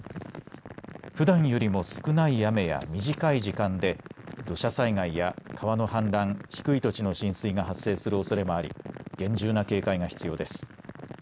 ふだんよりも少ない雨や短い時間で土砂災害や川の氾濫、低い土地の浸水が発生するおそれもあり厳重な警戒が必要です。